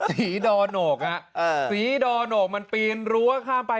สีดอโหนกสีดอโหนกมันปีนรั้วข้ามไป